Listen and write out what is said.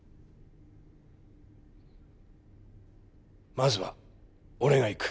まずは俺が行く。